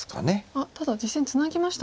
あっただ実戦ツナぎました。